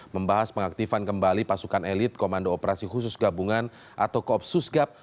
membahas pengaktifan kembali pasukan elit komando operasi khusus gabungan atau koopsus gap